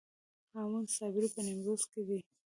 هامون صابري په نیمروز کې دی